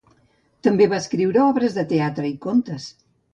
També va escriure obres de teatre i contes.